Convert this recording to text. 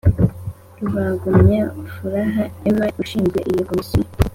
rubagumya furaha emma ushinzwe iyo komisiyo